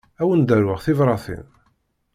Ad wen-d-aruɣ tibratin.